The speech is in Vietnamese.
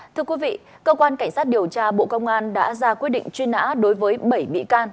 thưa quý vị cơ quan cảnh sát điều tra bộ công an đã ra quyết định truy nã đối với bảy bị can